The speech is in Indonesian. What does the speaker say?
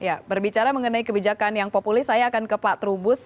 ya berbicara mengenai kebijakan yang populis saya akan ke pak trubus